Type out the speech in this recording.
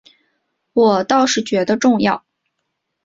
我倒是觉得重要